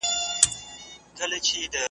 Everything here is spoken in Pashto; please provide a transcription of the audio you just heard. چرمګرته چي یې هرڅومره ویله .